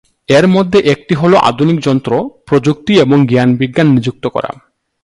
এর মধ্যে একটি হলো আধুনিক যন্ত্র, প্রযুক্তি এবং জ্ঞান নিযুক্ত করা।